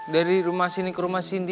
dari rumah cindy ke rumah cindy